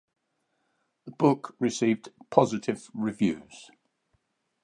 The book received positive reviews.